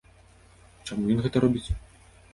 Чаму ён гэта робіць?